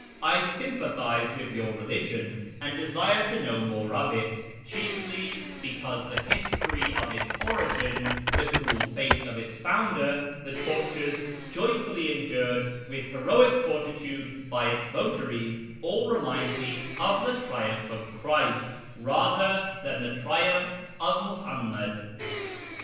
I sympathise with your religion, and desire to now more of it, chiefly because the history of its origin, the ■uel fate of its founder, the tortures joyfully endured with ■aroic fortitude by its votaries, all remind me of the triumph ' Christ, rather than the triumph of Muhammad."